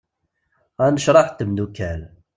Anecraḥ d temddukal.